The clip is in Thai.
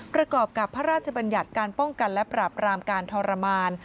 ประกอบกับพระราชบัญญัติการป้องกันและปราบรามการทรมาน